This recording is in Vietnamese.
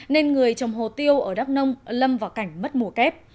nên người trồng hồ tiêu ở đắk nông lâm vào cảnh mất mùa kép